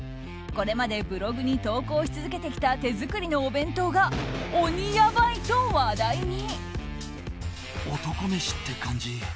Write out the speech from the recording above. これまでブログに投稿し続けてきた手作りのお弁当が鬼やばいと話題に！